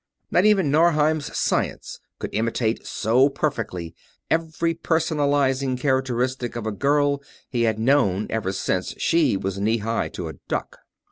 Not even Norheim's science could imitate so perfectly every personalizing characteristic of a girl he had known ever since she was knee high to a duck!